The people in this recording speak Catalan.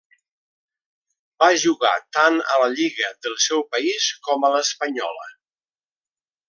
Va jugar tant a la lliga del seu país com a l'espanyola.